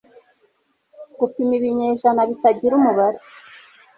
Gupima ibinyejana bitagira umubare